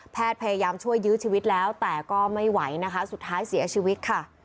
พยายามช่วยยื้อชีวิตแล้วแต่ก็ไม่ไหวนะคะสุดท้ายเสียชีวิตค่ะ